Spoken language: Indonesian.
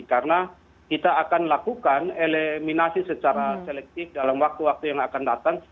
karena kita akan lakukan eliminasi secara selektif dalam waktu waktu yang akan datang